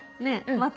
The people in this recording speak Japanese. また。